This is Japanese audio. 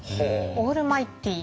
オールマイティー。